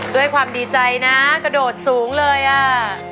ด้วยความดีใจนะกระโดดสูงเลยอ่ะ